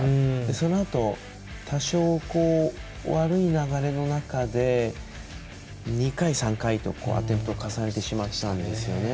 そのあと多少、悪い流れの中で２回、３回とアテンプト重ねてしまったんですよね。